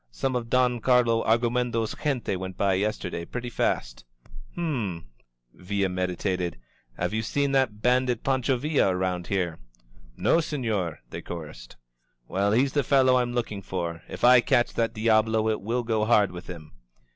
Some of Don Carlo Argumedo's gente went by yesterday pretty fast." "Hum," Villa meditated. "Have you seen that ban dit Pancho Villa around here?" "No, seiior!" they chorused. "Well, he's the fellow I'm looking for. If I catch that diahlo it will go hard with him